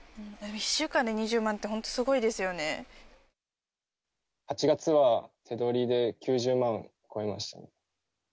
１週間で２０万って、本当す８月は手取りで９０万超えました。